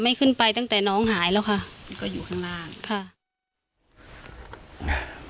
ไม่ขึ้นไปตั้งแต่น้องหายแล้วค่ะ